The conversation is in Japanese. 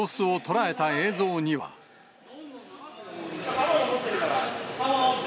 刃物持ってるから。